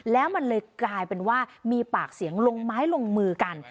แล้วมันเลยกลายเป็นว่ามีปากเสียงลงไม้ลงมือกัน